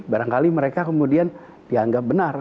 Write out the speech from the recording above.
barangkali mereka kemudian dianggap benar